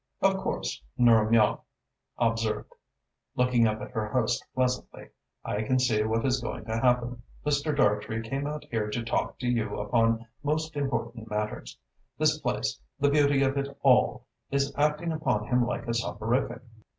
"Of course," Nora Miall observed, looking up at her host pleasantly, "I can see what is going to happen. Mr. Dartrey came out here to talk to you upon most important matters. This place, the beauty of it all, is acting upon him like a soporific.